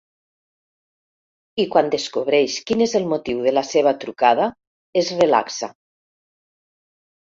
I quan descobreix quin és el motiu de la seva trucada, es relaxa.